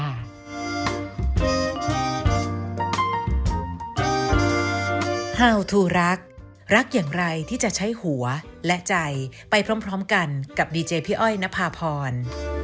โปรดติดตามตอนต่อไป